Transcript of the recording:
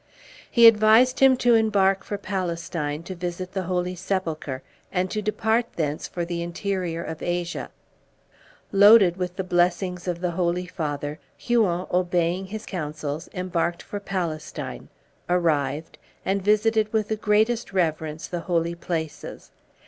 He advised him to embark for Palestine, to visit the Holy Sepulchre, and to depart thence for the interior of Asia. Loaded with the blessings of the Holy Father, Huon, obeying his counsels, embarked for Palestine, arrived, and visited with the greatest reverence the holy places.